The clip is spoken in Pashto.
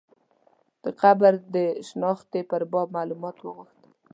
د قبر د شنختې په باب معلومات وغوښتل.